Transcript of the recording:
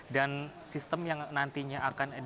dan sistem yang nantinya akan digunakan